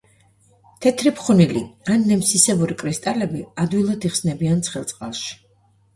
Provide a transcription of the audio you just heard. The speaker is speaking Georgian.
თეთრი ფხვნილი ან ნემსისებური კრისტალები, ადვილად იხსნებიან ცხელ წყალში.